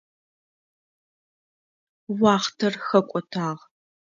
Уахътэр хэкӏотагъ.